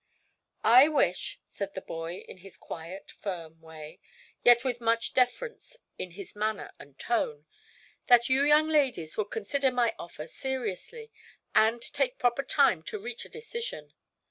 "I wish," said the boy, in his quiet, firm way, yet with much deference in his manner and tone, "that you young ladies would consider my offer seriously, and take proper time to reach a decision.